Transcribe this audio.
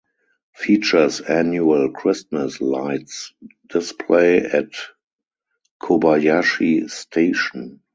Features annual Christmas Lights Display at Kobayashi Station.